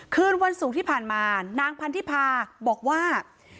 คืนวันศุกร์ที่ผ่านมานางพันธิพาบอกว่า